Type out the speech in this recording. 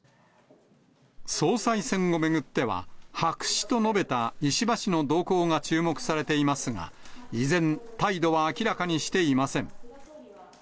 総裁選を巡っては、白紙と述べた石破氏の動向が注目されていますが、依然、態度は明らかにしていません。